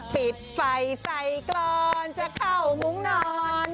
ปิดไฟใส่ก่อนจะเข้ามุ้งนอน